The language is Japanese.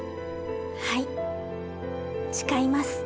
はい誓います。